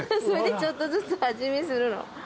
それでちょっとずつ味見するの。